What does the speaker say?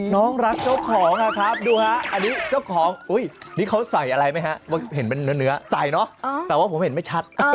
น้องรักเจ้าของอะครับดูฮะอันนี้เจ้าของอุ้ยนี่เขาใส่อะไรไหมฮะว่าเห็นเป็นเนื้อใส่เนอะแต่ว่าผมเห็นไม่ชัด